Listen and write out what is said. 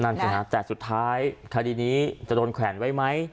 สิฮะแต่สุดท้ายคดีนี้จะโดนแขวนไว้ไหม